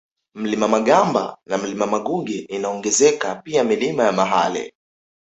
Mlima Magamba na Mlima Maguge inaongezeka pia Milima ya Mahale